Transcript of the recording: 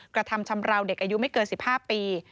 กระทำชำราวเด็กอายุไม่เกิน๑๕ปี